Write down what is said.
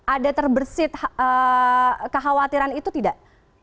ada terbersih kekhawatiran itu tidak